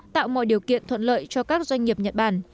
tạo mọi điều kiện thuận lợi cho các doanh nghiệp nhật bản